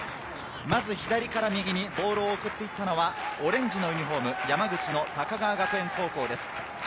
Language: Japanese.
まず左から右にボールを送っていったのはオレンジのユニホーム、山口の高川学園高校です。